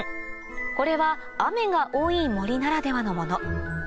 これは雨が多い森ならではのもの